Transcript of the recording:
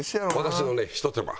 私のねひと手間。